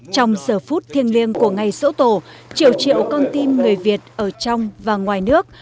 trong giờ phút thiêng liêng của ngày sổ tổ triệu triệu con tim người việt ở trong và ngoài nước